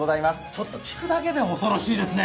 ちょっと聞くだけで恐ろしいですね。